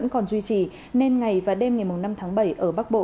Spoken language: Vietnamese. vẫn còn duy trì nên ngày và đêm ngày năm tháng bảy ở bắc bộ